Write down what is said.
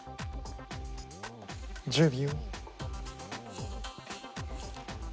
１０秒。